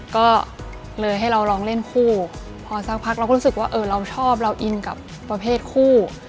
ก็เลยให้เราลองเล่นคู่พอสักพักเราก็รู้สึกว่าเออเราชอบเราอินกับประเภทคู่